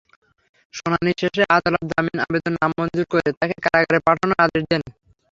শুনানি শেষে আদালত জামিন আবেদন নামঞ্জুর করে তাঁকে কারাগারে পাঠানোর আদেশ দেন।